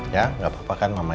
ya nggak apa apa kan mama